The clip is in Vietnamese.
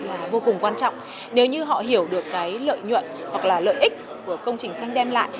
là vô cùng quan trọng nếu như họ hiểu được cái lợi nhuận hoặc là lợi ích của công trình xanh đem lại